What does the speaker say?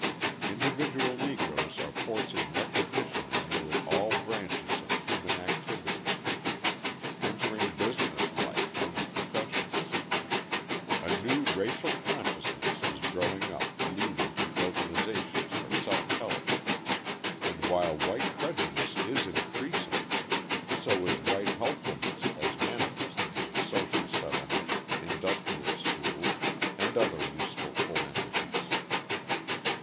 Individual Negroes are forcing recognition in nearly all branches of human activity, entering business life and the professions. A new racial consciousness is growing up leading to organisations for self help; and while white prejudice is increasing, so is white helpfulness as manifested in social settlements, industrial schools, and other useful philanthropies.